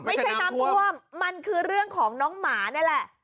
ไม่ใช่น้ำท่วมมันคือเรื่องของน้องหมานี่แหละ